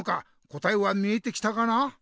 答えは見えてきたかな？